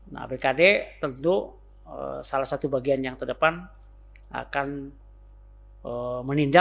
nah bkd tentu salah satu bagian yang terdepan akan menindak